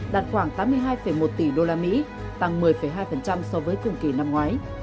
đạt khoảng tám mươi hai một tỷ usd tăng một mươi hai so với cùng kỳ năm ngoái